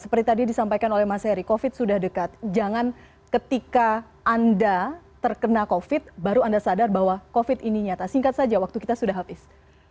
seperti tadi disampaikan oleh mas heri covid sudah dekat jangan ketika anda terkena covid baru anda sadar bahwa covid ini nyata singkat saja waktu kita sudah habis